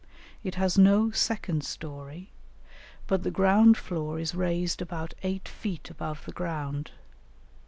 It has no second story, but the ground floor is raised about eight feet above the ground.